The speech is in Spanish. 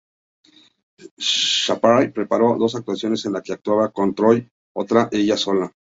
Sharpay preparó dos actuaciones:una en la que actuaba con Troy y otra ella sola.